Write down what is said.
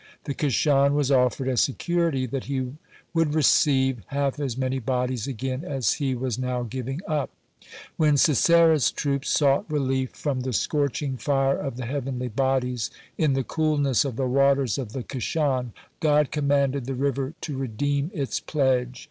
The Kishon was offered as security that he would received half as many bodies again as he was now giving up. When Sisera's troops sought relief from the scorching fire of the heavenly bodies in the coolness of the waters of the Kishon, God commanded the river to redeem its pledge.